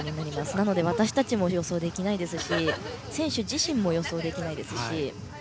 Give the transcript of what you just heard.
なので私たちも予想できないですし選手自身も予想できないですし